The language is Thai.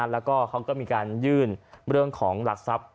แล้วก็เขาก็มีการยื่นเรื่องของหลักทรัพย์